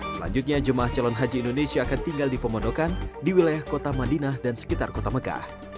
selanjutnya jemaah calon haji indonesia akan tinggal di pemondokan di wilayah kota madinah dan sekitar kota mekah